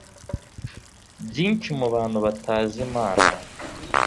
byinshi mu bantu batazi imana